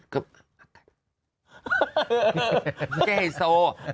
ไม่ใช่ไฮโซ